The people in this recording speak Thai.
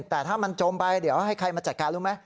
แต่ถ้ามันจมไปเดี๋ยวให้ใครมาจัดการรู้ไหม